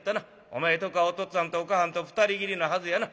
お前とこはお父っつぁんとお母はんと２人きりのはずやな。